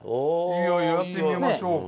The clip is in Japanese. いやいややってみましょうか。